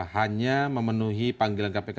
hanya memenuhi panggilan kpk